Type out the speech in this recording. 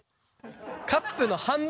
カップの半分！